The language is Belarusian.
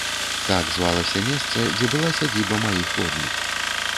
Так звалася месца, дзе была сядзіба маіх родных.